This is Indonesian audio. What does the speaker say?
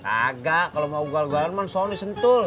agak kalau mau galugalan kan soalnya sentul